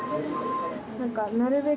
何か。